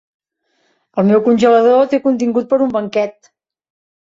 El meu congelador té contingut per a un banquet.